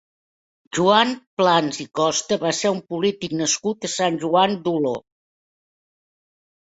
Joan Plans i Costa va ser un polític nascut a Sant Joan d'Oló.